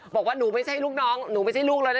บอกว่าหนูไม่ใช่ลูกน้องหนูไม่ใช่ลูกแล้วนะ